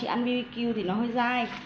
ăn bbq thì nó hơi dai